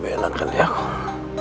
ber resonan di dalam indigenous time